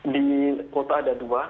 di kota ada dua